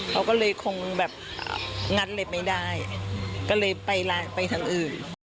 เขาก็เลยคงแบบงัดเลยไม่ได้ก็เลยไปร้านไปทางอื่น